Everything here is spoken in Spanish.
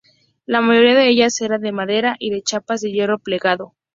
La mayoría de ellas eran de madera y de chapas de hierro plegado.